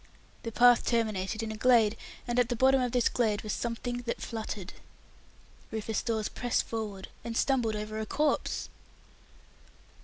The path terminated in a glade, and at the bottom of this glade was something that fluttered. Rufus Dawes pressed forward, and stumbled over a corpse!